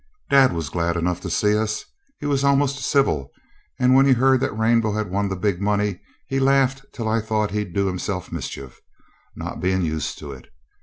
Dad was glad enough to see us; he was almost civil, and when he heard that Rainbow had won the 'big money' he laughed till I thought he'd do himself mischief, not being used to it.